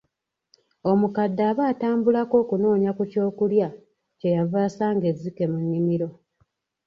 Omukadde aba atambulako okunoonya ku kyokulya, kye yava asanga ezzike mu nnimiro.